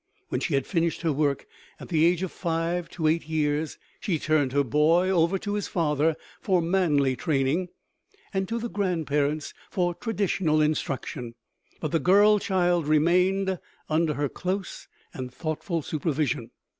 When she had finished her work, at the age of five to eight years, she turned her boy over to his father for manly training, and to the grandparents for traditional instruction, but the girl child remained under her close and thoughtful supervision.